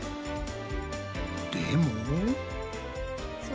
でも。